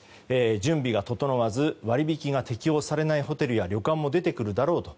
準備が整わず割り引きが適用されないホテルや旅館も出てくるだろうと。